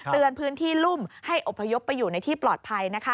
เตือนพื้นที่รุ่มให้อบพยพไปอยู่ในที่ปลอดภัย